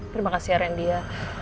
terima kasih ya rendy ya